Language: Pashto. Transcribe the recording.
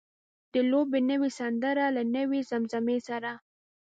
د لوبې نوې سندره له نوې زمزمې سره.